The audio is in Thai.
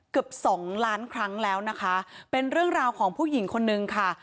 เกือบสองล้านครั้งแล้วนะคะเป็นเรื่องราวของผู้หญิงคนนึงค่ะ